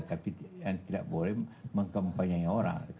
tapi yang tidak boleh mengkampanye orang